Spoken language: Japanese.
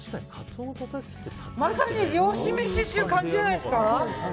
まさに、漁師飯っていう感じじゃないですか。